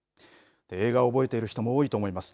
映画を覚えている方も多いと思います。